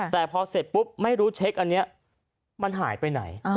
แต่พอเสร็จปุ๊บไม่รู้เช็คอันนี้มันหายไปไหน